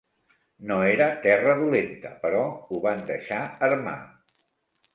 No era terra dolenta però ho van deixar ermar.